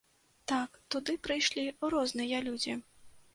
Так, туды прыйшлі розныя людзі.